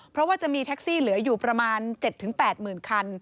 เพราะว่าจะมีแท็กซี่เหลืออยู่ประมาณ๗๘๐๐๐คัน